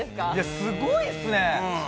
すごいですね。